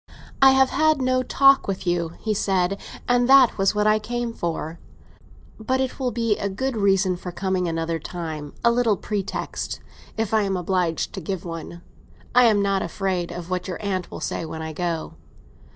"I have had no talk with you," he said, "and that was what I came for. But it will be a good reason for coming another time; a little pretext—if I am obliged to give one. I am not afraid of what your aunt will say when I go."